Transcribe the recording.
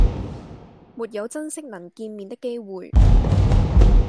沒有珍惜能見面的機會